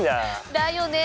だよね！